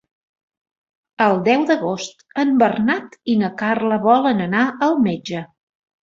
El deu d'agost en Bernat i na Carla volen anar al metge.